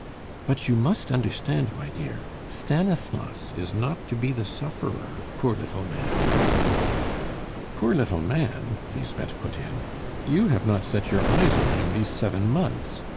But you must understand, my dear, Stanislas is not to be the sufferer, poor little man." "Poor little man?" Lisbeth put in. "You have not set your eyes on him these seven months.